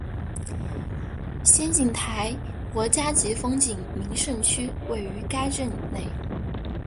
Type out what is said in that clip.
仙景台国家级风景名胜区位于该镇内。